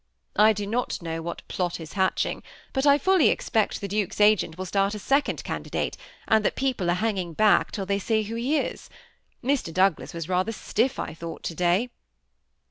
I do not know what plot is hatching, hot I fully expect the duke's agent will start a second candidate, and that people are hanging back till they see who he is« Mr. Douglas was rather stiff, I thought, to day."